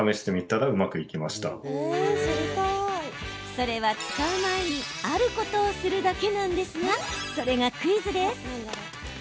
それは使う前にあることをするだけなんですがそれがクイズです。